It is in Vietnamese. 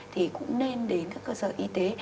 thì cũng nên đến các cơ sở y tế